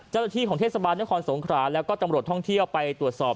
เจ้าหน้าที่ของเทศบาลนครสงขราแล้วก็ตำรวจท่องเที่ยวไปตรวจสอบ